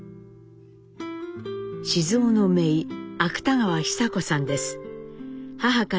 雄のめい芥川尚子さんです。